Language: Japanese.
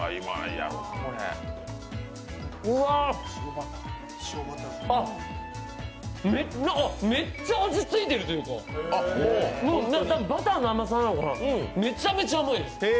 うわっ、めっちゃ味ついてる、というか、多分バターの甘さなのかな、めちゃめちゃ甘いです。